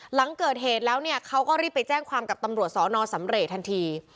หลังเกิดเหตุแล้วเนี่ยเขาก็รีบไปแจ้งความกับตำรวจสอนอสำเรย์ทันที